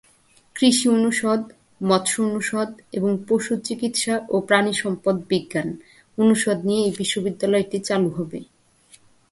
কৃষি অনুষদ, মৎস্য অনুষদ এবং পশু চিকিৎসা ও প্রাণিসম্পদ বিজ্ঞান অনুষদ নিয়ে এই বিশ্ববিদ্যালয়টি চালু হবে।